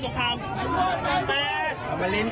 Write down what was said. บัคโนวัฒน์หวังให้เลย